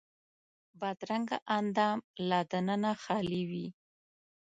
بدرنګه اندام له دننه خالي وي